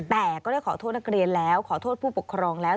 แต่ก็ได้ขอโทษนักเรียนแล้วขอโทษผู้ปกครองแล้ว